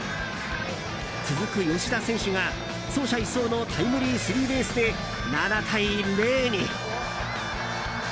続く吉田選手が、走者一掃のタイムリースリーベースで７対０に。